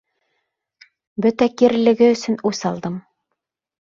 Бөтә кирелеге өсөн үс алдым.